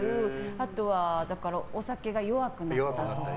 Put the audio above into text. あとは、お酒が弱くなったりとか